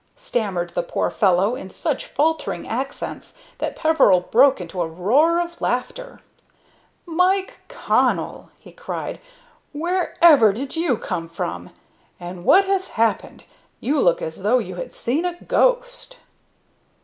stammered the poor fellow, in such faltering accents that Peveril broke into a roar of laughter. "Mike Connell!" he cried; "wherever did you come from? and what has happened? You look as though you had seen a ghost!"